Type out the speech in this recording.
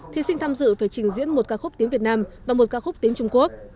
thí sinh tham dự phải trình diễn một ca khúc tiếng việt nam và một ca khúc tiếng trung quốc